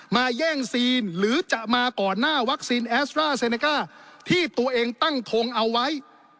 แย่งซีนหรือจะมาก่อนหน้าวัคซีนแอสตราเซเนก้าที่ตัวเองตั้งทงเอาไว้